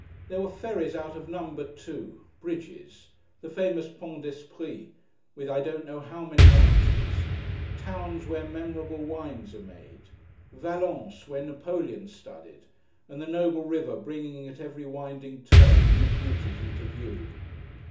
There were ferries out of number, too; bridges; the famous Pont d'Esprit, with I don't know how many arches; towns where memorable wines are made; Vallence, where Napoleon studied; and the noble river, bringing at every winding turn, new beauties into view.